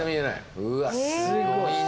うわすごいな。